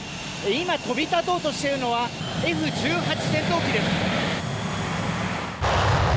今、飛び立とうとしているのはＦ１８戦闘機です。